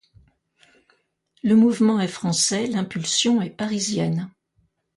Le mouvement est français, l'impulsion est parisienne.